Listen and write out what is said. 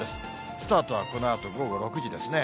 スタートはこのあと午後６時ですね。